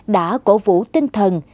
đã cổ vũ tinh thần